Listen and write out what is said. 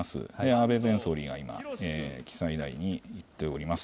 安倍前総理が今、記載台に行っております。